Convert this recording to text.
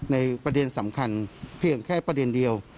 ประเด็นสำคัญเพียงแค่ประเด็นเดียว